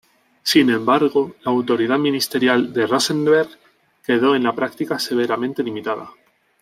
Sin embargo, la autoridad ministerial de Rosenberg quedó en la práctica severamente limitada.